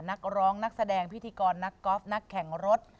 นักร้องนักแสดงพิธีกรนักกอล์ฟนักแข่งรถ